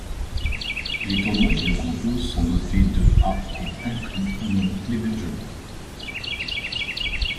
Les tournois qui le composent sont dotés de à et incluent ou non l'hébergement.